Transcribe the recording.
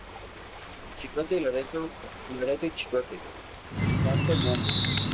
Chicote y Loreto, Loreto y Chicote, tanto monta...